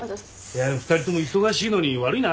２人とも忙しいのに悪いな。